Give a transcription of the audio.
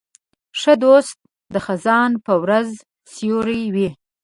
ښه دوست د خزان په ورځ سیوری وي.